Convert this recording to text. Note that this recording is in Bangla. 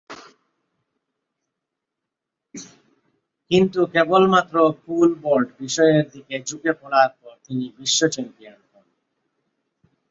কিন্তু কেবলমাত্র পোল ভল্ট বিষয়ের দিকে ঝুঁকে যাবার পর তিনি বিশ্ব চ্যাম্পিয়ন হন।